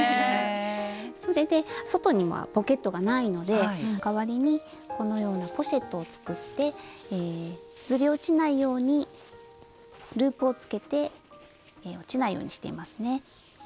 それで外にはポケットがないので代わりにこのようなポシェットを作ってずり落ちないようにループをつけて落ちないようにしていますね。